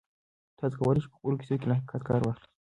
تاسي کولای شئ په خپلو کیسو کې له حقیقت کار واخلئ.